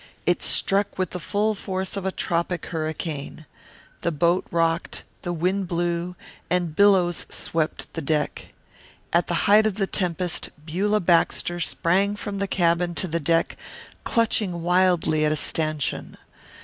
It struck with the full force of a tropic hurricane. The boat rocked, the wind blew, and billows swept the deck. At the height of the tempest Beulah Baxter sprang from the cabin to the deck, clutching wildly at a stanchion.